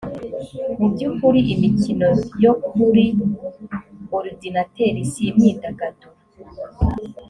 mu by’ukuri imikino yo kuri orudinateri si imyidagaduro